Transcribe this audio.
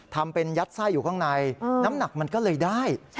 ทำเป็นยัดไส้อยู่ข้างในน้ำหนักมันก็เลยได้